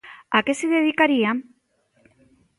A que se dedicarían?